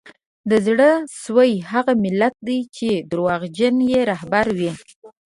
د زړه سوي هغه ملت دی چي دروغجن یې رهبران وي